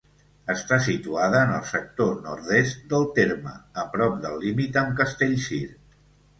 Està situada en el sector nord-est del terme, a prop del límit amb Castellcir.